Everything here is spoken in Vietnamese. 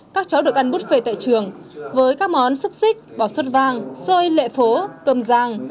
các cháu được ăn buffet tại trường với các món xúc xích bò xốt vàng xôi lệ phố cơm giang